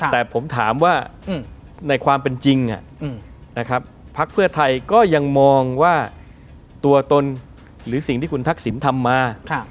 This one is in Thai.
แต่ผมถามว่าในความเป็นจริงนะครับพักเพื่อไทยก็ยังมองว่าตัวตนหรือสิ่งที่คุณทักษิณทำมา